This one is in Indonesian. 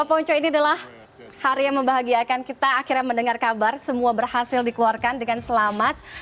poinco ini adalah hari yang membahagiakan kita akhirnya mendengar kabar semua berhasil dikeluarkan dengan selamat